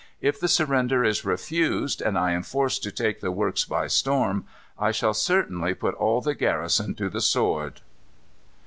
If the surrender is refused, and I am forced to take the works by storm, I shall certainly put all the garrison to the sword."